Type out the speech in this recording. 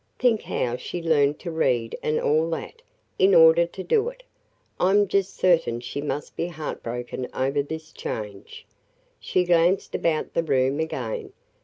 Think how she learned to read and all that, in order to do it. I 'm just certain she must be heart broken over this change." She glanced about the room again.